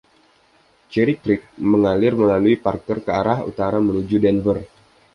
Cherry Creek mengalir melalui Parker ke arah utara menuju Denver.